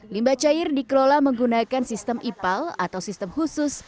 limba cair dikelola menggunakan sistem ipal atau sistem khusus